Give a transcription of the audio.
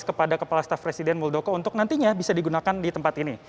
kepada kepala staf presiden muldoko untuk nantinya bisa digunakan di tempat ini